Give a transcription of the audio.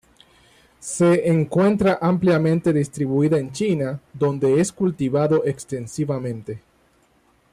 Se encuentra ampliamente distribuida en China, donde es cultivado extensamente.